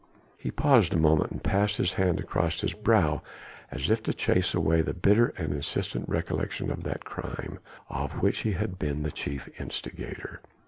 He paused a moment and passed his hand across his brow as if to chase away the bitter and insistent recollection of that crime of which he had been the chief instigator.